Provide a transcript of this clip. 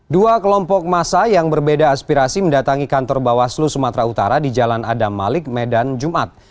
dua kelompok masa yang berbeda aspirasi mendatangi kantor bawaslu sumatera utara di jalan adam malik medan jumat